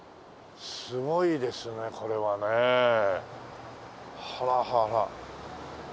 すごいですねこれはね。ほらほらほら。